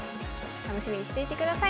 楽しみにしていてください。